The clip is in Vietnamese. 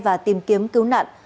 và tìm kiếm cứu nạn